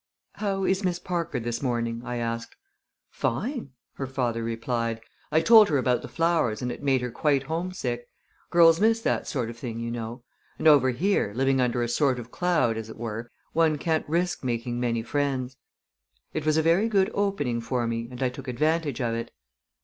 "How is Miss Parker this morning?" I asked. "Fine!" her father replied. "I told her about the flowers and it made her quite homesick. Girls miss that sort of thing, you know; and over here, living under a sort of cloud, as it were, one can't risk making many friends." It was a very good opening for me and I took advantage of it.